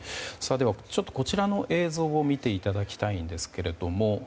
こちらの映像を見ていただきたいんですが。